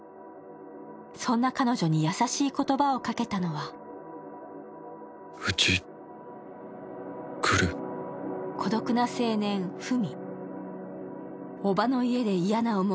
そんな彼女に優しい言葉をかけたのは孤独な青年、文。